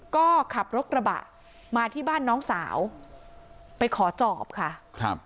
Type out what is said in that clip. ก็ขับรถกระบะมาที่บ้านน้องสาวไปขอจอบค่ะครับ